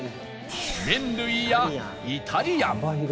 麺類やイタリアン